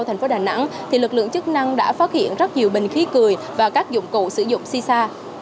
thành phố đà nẵng thì lực lượng chức năng đã phát hiện rất nhiều bình khí cười và các dụng cụ sử dụng si sa